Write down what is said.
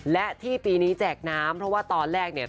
และที่ปีนี้แจกน้ำเพราะว่าตอนแรกเนี่ย